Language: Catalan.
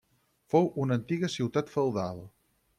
Fou una antiga ciutat feudal.